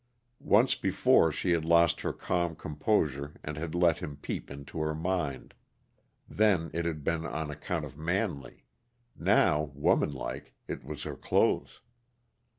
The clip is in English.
Once before she had lost her calm composure and had let him peep into her mind. Then it had been on account of Manley; now, womanlike, it was her clothes.